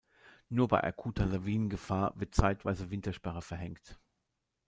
Nur bei akuter Lawinengefahr wird zeitweise Wintersperre verhängt.